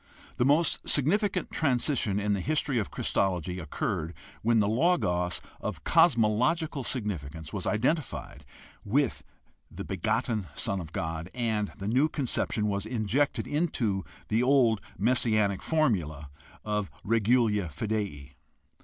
The most significant transition in the history of Christology occurred when the Logos of cosmological sig nificance was identified with the begotten Son of God and the new conception was injected into the old messianic formula of regula fidei.